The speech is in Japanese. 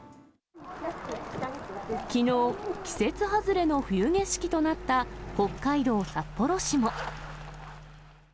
きのう、季節外れの冬景色となった北海道札幌市も。